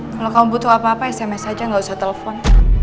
kalau kamu butuh apa apa sms aja nggak usah telepon